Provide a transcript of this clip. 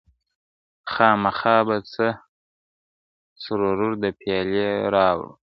خامخا به څه سُرور د پیالو راوړي,